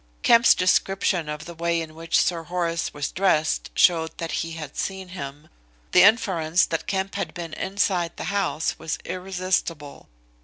"Kemp's description of the way in which Sir Horace was dressed showed that he had seen him. The inference that Kemp had been inside the house was irresistible.